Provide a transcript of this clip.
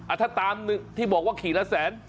อัทธารณ์ที่บอกว่าขีดละแสน